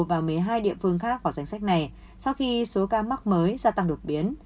và một mươi hai địa phương khác vào danh sách này sau khi số ca mắc mới gia tăng đột biến